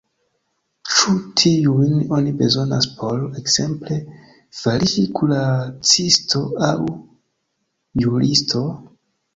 Ĉu tiujn oni bezonas por, ekzemple, fariĝi kuracisto aŭ juristo?